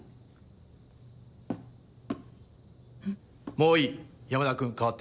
もういい山田君代わって。